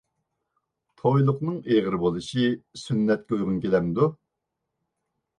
تويلۇقنىڭ ئېغىر بولۇشى سۈننەتكە ئۇيغۇن كېلەمدۇ؟